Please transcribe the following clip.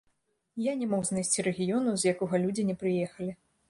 Я не мог знайсці рэгіёну, з якога людзі не прыехалі.